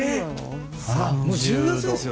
もう１０月ですよ。